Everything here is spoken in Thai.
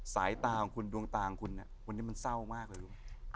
สายตาของคุณดวงตาของคุณวันนี้มันเศร้ามากเลยลูก